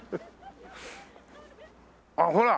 あっほら！